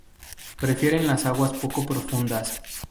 Prefieren las aguas poco profundas.